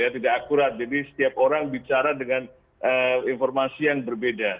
tidak akurat jadi setiap orang bicara dengan informasi yang berbeda